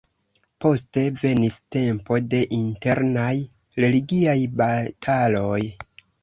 Poste venis tempo de internaj religiaj bataloj.